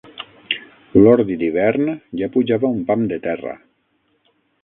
L'ordi d'hivern ja pujava un pam de terra